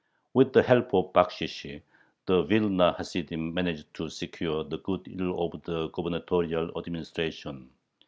With the help of bakhshish the Vilna Hasidim managed to secure the good will of the gubernatorial administration.